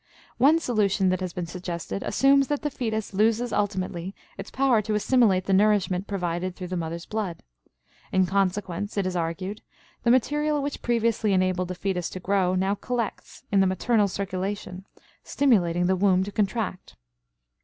One solution that has been suggested assumes that the fetus loses ultimately its power to assimilate the nourishment provided through the mother's blood. In consequence, it is argued, the material which previously enabled the fetus to grow now collects in the maternal circulation, stimulating the womb to contract.